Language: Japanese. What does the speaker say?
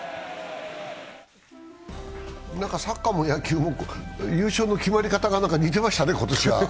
サッカーも野球も優勝の決まり方が今年は似てましたね。